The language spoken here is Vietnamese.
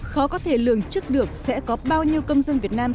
khó có thể lường trước được sẽ có bao nhiêu công dân việt nam